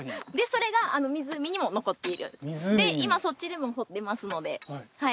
それが湖にも残っている湖にで今そっちでも掘ってますのではい